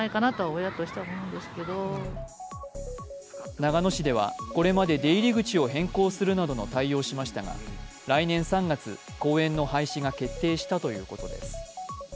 長野市では、これまで出入り口を変更するなどの対応をしましたが来年３月、公園の廃止が決定したということです。